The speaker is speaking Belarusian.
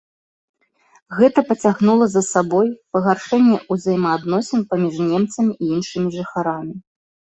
Гэта пацягнула за сабой пагаршэнне ўзаемаадносін паміж немцамі і іншымі жыхарамі.